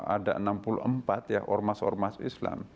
ada enam puluh empat ya ormas ormas islam